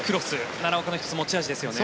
奈良岡の１つ持ち味ですよね。